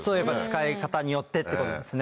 使い方によってってことですね。